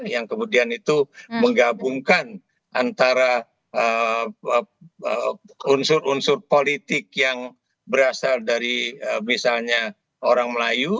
yang kemudian itu menggabungkan antara unsur unsur politik yang berasal dari misalnya orang melayu